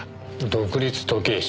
独立時計師？